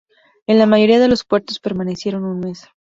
En la mayoría de los puertos permanecieron un mes.